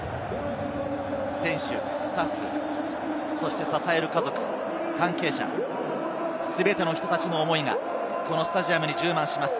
選手、スタッフ、そして支える家族、関係者、全ての人たちの思いが、このスタジアムに充満します。